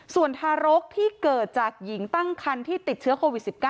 ส่วนทารกที่เกิดจากหญิงตั้งคันที่ติดเชื้อโควิด๑๙